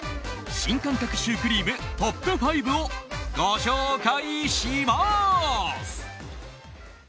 新感覚シュークリームトップ５をご紹介します。